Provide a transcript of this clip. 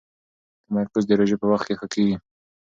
تمرکز د روژې په وخت کې ښه کېږي.